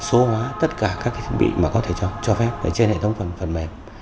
số hóa tất cả các thiết bị mà có thể cho phép trên hệ thống phần mềm